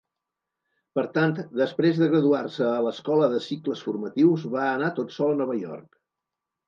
Per tant, després de graduar-se a l'escola de cicles formatius, va anar tot sol a Nova York.